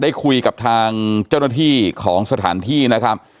ได้คุยกับทางเจ้าหน้าที่ของสถานที่นะครับ